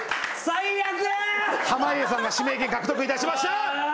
濱家さんが指名権獲得いたしました。